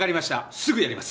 すぐやります。